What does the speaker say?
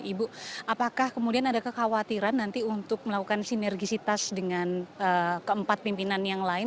ibu apakah kemudian ada kekhawatiran nanti untuk melakukan sinergisitas dengan keempat pimpinan yang lain